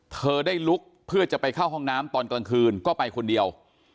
เธอได้ลุกเพื่อจะไปเข้าห้องน้ำตอนกลางคืนก็ไปคนเดียว